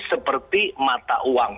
seperti mata uang